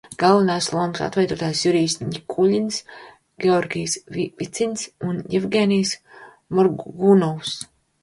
Galvenās lomas atveido Jurijs Ņikuļins, Georgijs Vicins un Jevgeņijs Morgunovs.